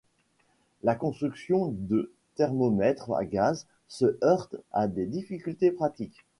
La construction de thermomètres à gaz se heurte à des difficultés pratiques.